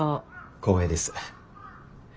光栄です。